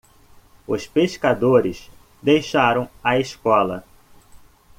Os pescadores deixaram a escola.